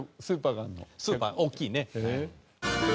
スーパー大きいね。